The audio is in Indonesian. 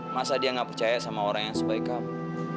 masa dia nggak percaya sama orang yang sebaik kamu